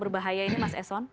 berbahaya ini mas eson